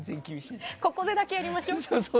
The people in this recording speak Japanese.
ここでだけやりましょう。